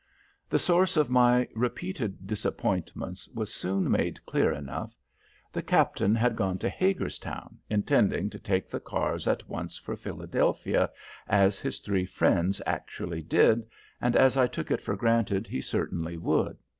The source of my repeated disappointments was soon made clear enough. The Captain had gone to Hagerstown, intending to take the cars at once for Philadelphia, as his three friends actually did, and as I took it for granted he certainly would.